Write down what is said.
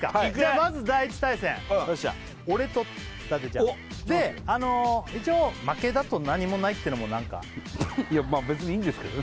まず第１対戦いく俺と伊達ちゃんで一応おっ負けだと何もないってのも何か別にいいんですけどね